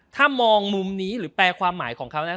ถ้ามองมุมนี้หรือแปลความหมายของเขานะ